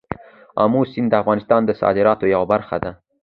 آمو سیند د افغانستان د صادراتو یوه برخه ده.